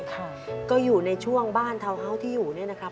ค่ะก็อยู่ในช่วงบ้านทาวน์เฮาส์ที่อยู่เนี่ยนะครับ